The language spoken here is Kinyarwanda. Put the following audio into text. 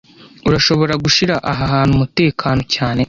Urashobora gushira aha hantu umutekano cyane